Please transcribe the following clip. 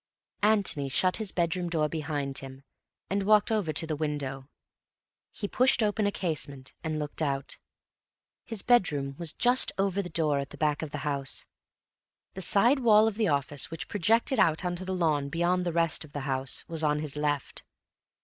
Antony shut his bedroom door behind him and walked over to the window. He pushed open a casement and looked out. His bedroom was just over the door at the back of the house. The side wall of the office, which projected out into the lawn beyond the rest of the house, was on his left.